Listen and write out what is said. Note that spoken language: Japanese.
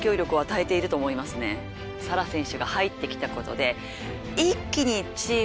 サラ選手が入ってきたことで。